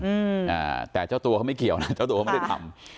อืมอ่าแต่เจ้าตัวเขาไม่เกี่ยวนะเจ้าตัวเขาไม่ได้ทำ